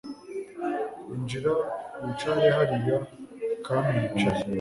injira wicare hariya kami yicaye